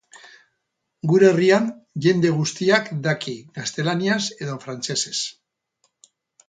Gure herrian jende guztiak daki gaztelaniaz edo frantsesez.